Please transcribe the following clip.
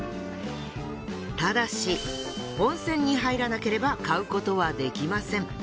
ただし温泉に入らなければ買うことはできません。